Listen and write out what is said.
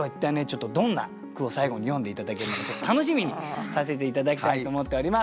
ちょっとどんな句を最後に詠んで頂けるのか楽しみにさせて頂きたいと思っております。